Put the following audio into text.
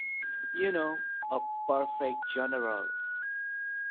You know, a perfect general!